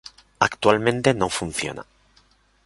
Actualmente no funciona.